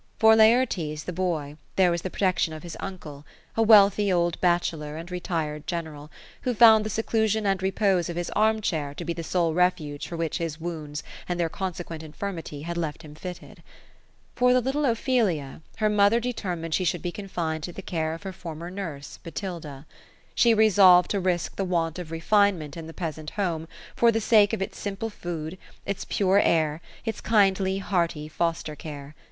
For Laertes, the boy, there was the protection of his uncle ; a wealthy old bachelor, and retired general ; who found the seclusion and repose of his arm chair to be the sole refuge for which his wounds and their consequent infirmity had left him fitted. For the little Ophelia, her mother determined she should be confined to the care of her former nurss, Botilda. She resolved td rii'c t*i.) WJtnt of rol i3:u3at ia th3 peasant home, for the sake of its simple food, its pure air, its kindly hearty foster care.